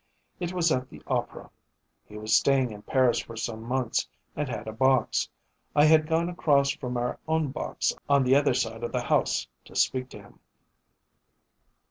It was at the opera. He was staying in Paris for some months and had a box. I had gone across from our own box on the other side of the house to speak to him.